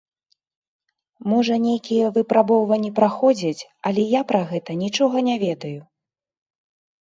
Можа, нейкія выпрабоўванні праходзяць, але я пра гэта нічога не ведаю.